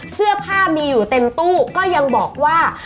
เสื้อผ้ามีอยู่เต็มตู้ก็ยังบอกว่า